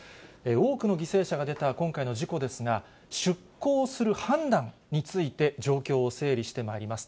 多くの犠牲者が出た今回の事故ですが、出航する判断について、状況を整理してまいります。